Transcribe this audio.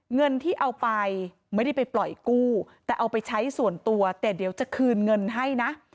เงินที่เอาไปไม่ได้ไปปล่อยกู้แต่เอาไปใช้ส่วนตัวแต่เดี๋ยวจะคืนเงินให้นะ